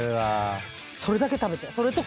それと米だけ食べて。